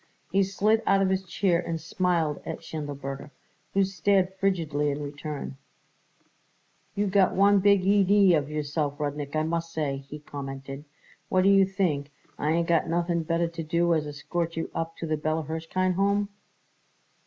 He slid out of his chair and smiled at Schindelberger, who stared frigidly in return. "You got a big idee of yourself, Rudnik, I must say," he commented. "What do you think, I ain't got nothing better to do as escort you up to the Bella Hirshkind Home?"